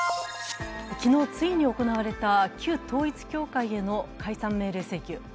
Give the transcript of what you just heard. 昨日ついに行われた旧統一教会への解散命令請求。